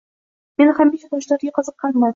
Men hamisha toshlarga qiziqqanman